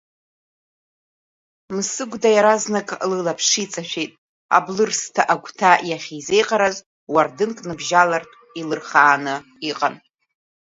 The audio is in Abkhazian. Мсыгәда иаразнак лылаԥш иҵашәеит Аблырсҭа агәҭа иахьазеиҟараз уардынк ныбжьалартә илырхааны иҟан.